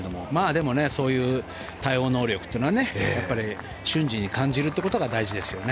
でもそういう対応能力っていうのは瞬時に感じることが大事ですよね。